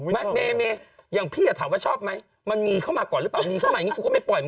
มันคงประจวบมารวมกับทุกอย่างด้วย